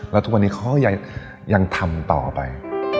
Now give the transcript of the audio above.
แล้วทุกวันนี้เขาก็ยังทำต่อไป